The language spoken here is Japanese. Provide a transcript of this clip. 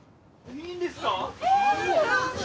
いいんですか？